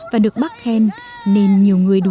và được bác khen